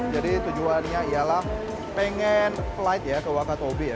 jadi tujuannya ialah pengen flight ya ke wakatobi ya